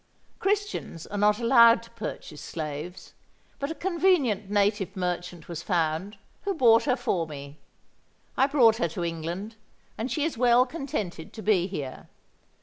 Christians are not allowed to purchase slaves; but a convenient native merchant was found, who bought her for me. I brought her to England; and she is well contented to be here.